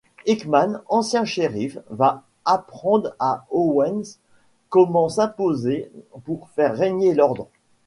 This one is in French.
Hickman, ancien shérif, va apprendre à Owens comment s'imposer pour faire régner l'ordre.